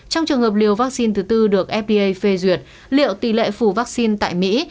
trong trường hợp liều vaccine thứ tư được fda phê duyệt liệu tỷ lệ phù vaccine tại mỹ